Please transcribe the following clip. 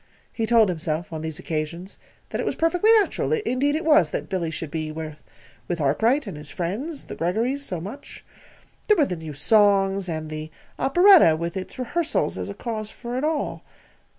He told himself, on these occasions, that it was perfectly natural indeed it was! that Billy should be with Arkwright and his friends, the Greggorys, so much. There were the new songs, and the operetta with its rehearsals as a cause for it all.